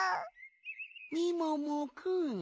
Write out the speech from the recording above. みももくん。